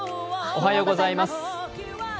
おはようございます。